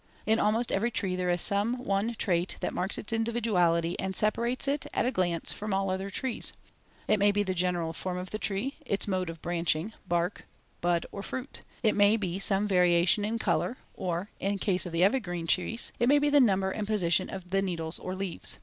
In almost every tree there is some one trait that marks its individuality and separates it, at a glance, from all other trees. It may be the general form of the tree, its mode of branching, bark, bud or fruit. It may be some variation in color, or, in case of the evergreen trees, it may be the number and position of the needles or leaves.